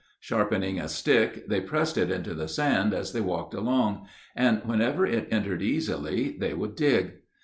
Sharpening a stick, they pressed it into the sand as they walked along, and wherever it entered easily they would dig.